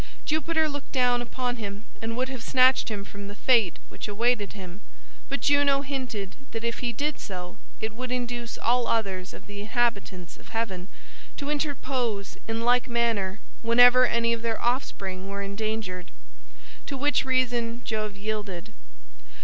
Jupiter looked down upon him and would have snatched him from the fate which awaited him, but Juno hinted that if he did so it would induce all others of the inhabitants of heaven to interpose in like manner whenever any of their offspring were endangered; to which reason Jove yielded.